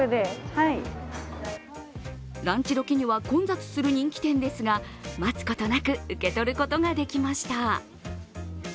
ランチ時には混雑する人気店ですが待つことなく受け取ることができました。